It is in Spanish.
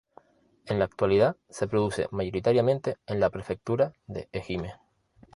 En la actualidad se produce mayoritariamente en la prefectura de Ehime.